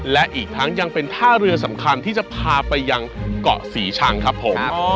และอีกทั้งยังเป็นท่าเรือสำคัญที่จะพาไปยังเกาะศรีชังครับผม